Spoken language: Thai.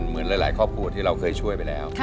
เหมือนหลายครอบครัวที่เราเคยช่วยไปแล้ว